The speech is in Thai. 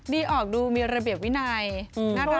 ออกดูมีระเบียบวินัยน่ารัก